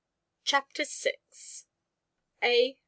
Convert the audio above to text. CHAPTER VI A.